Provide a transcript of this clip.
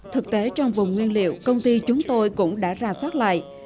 thực tế trong vùng nguyên liệu công ty chúng tôi cũng đã ra soát lại